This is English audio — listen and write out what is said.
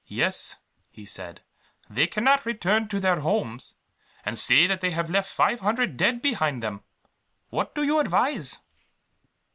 "Yes," he said, "they cannot return to their homes, and say that they have left five hundred dead behind them. What do you advise?"